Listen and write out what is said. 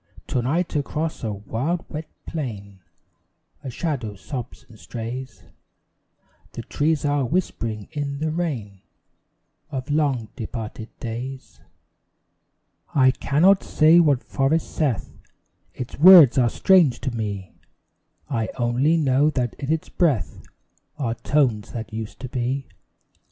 To night across a wild wet plain A shadow sobs and strays; The trees are whispering in the rain Of long departed days. I cannot say what forest saith Its words are strange to me: I only know that in its breath Are tones that used to be.